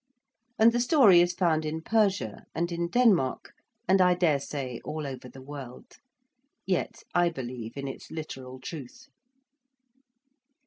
And the story is found in Persia and in Denmark, and I dare say all over the world. Yet I believe in its literal truth.